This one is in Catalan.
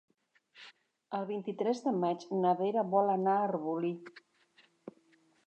El vint-i-tres de maig na Vera vol anar a Arbolí.